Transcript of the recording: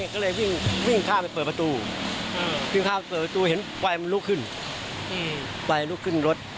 ก็ลองวิ่งข้ามไปเปิดประตูฟายรูกขึ้นรถ